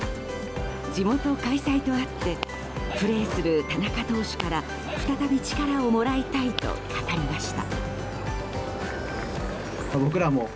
地元開催とあってプレーする田中投手から再び力をもらいたいと語りました。